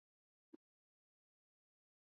湘鄂赣苏区设。